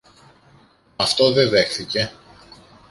Μ' αυτό δε δέχθηκε.